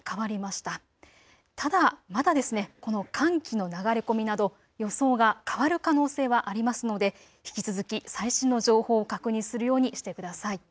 ただまだ、この寒気の流れ込みなど予想が変わる可能性はありますので引き続き最新の情報を確認するようにしてください。